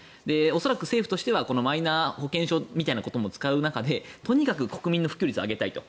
恐らく政府としてはマイナ保険証みたいなことも使う中でとにかく国民の普及率を上げたいと。